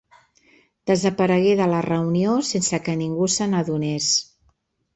Desaparegué de la reunió sense que ningú se n'adonés.